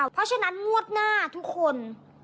เพราะฉะนั้นงวดหน้าทุกคน